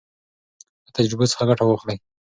له تجربو څخه ګټه واخلئ.